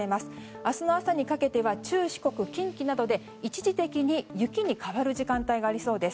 明日の朝にかけては中四国、近畿などで一時的に雪に変わる時間帯がありそうです。